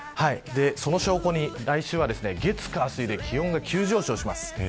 その証拠に来週月、火、水で気温が急上昇します。